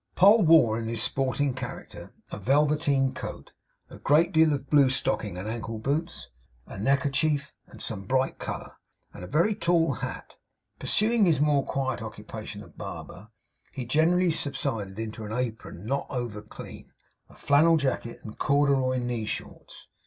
Poll wore, in his sporting character, a velveteen coat, a great deal of blue stocking, ankle boots, a neckerchief of some bright colour, and a very tall hat. Pursuing his more quiet occupation of barber, he generally subsided into an apron not over clean, a flannel jacket, and corduroy knee shorts.